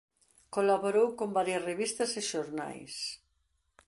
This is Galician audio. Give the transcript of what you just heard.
Colaborou con varias revistas e xornais.